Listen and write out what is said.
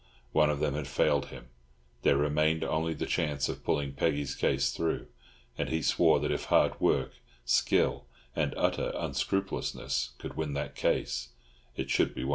One of them had failed him. There remained only the chance of pulling Peggy's case through; and he swore that if hard work, skill, and utter unscrupulousness could win that case, it should be won.